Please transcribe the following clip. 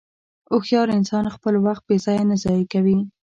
هوښیار انسان خپل وخت بېځایه نه ضایع کوي.